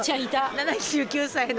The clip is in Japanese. ７９歳の。